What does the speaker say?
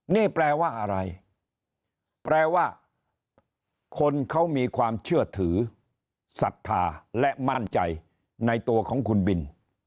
นี่แปลว่าอะไรแปลว่าคนเขามีความเชื่อถือศรัทธาและมั่นใจในตัวของคุณบิน